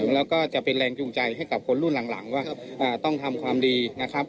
แล้วก็จะเป็นแรงจูงใจให้กับคนรุ่นหลังว่าต้องทำความดีนะครับ